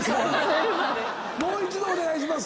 もう一度お願いします。